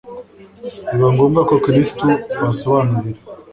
biba ngombwa ko Kristo abasobanurira.